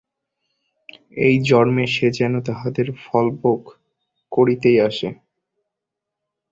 এই জন্মে সে যেন তাহাদের ফলভোগ করিতেই আসে।